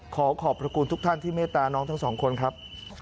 ขอขอบพระคุณทุกท่านที่เมตตาน้องทั้งสองคนครับ